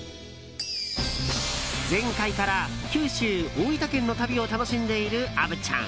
前回から九州・大分県の旅を楽しんでいる虻ちゃん。